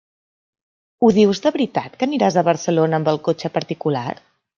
Ho dius de veritat que aniràs a Barcelona amb el cotxe particular?